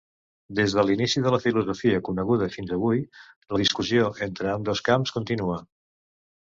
Des de l'inici de la filosofia coneguda fins avui, la discussió entre ambdós camps continua.